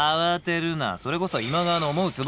それこそ今川の思うつぼだ。